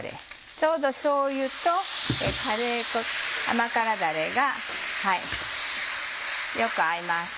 ちょうどしょうゆとカレー粉甘辛だれがよく合います。